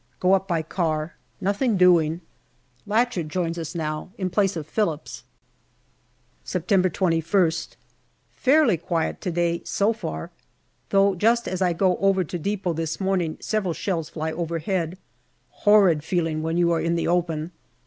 Go up by car. Nothing doing. Lachard joins us now in place of Phillips. September 2lst. Fairly quiet to day so far. Though just as I go over to depot this morning several shells fly overhead. Horrid feeling when you are in the open.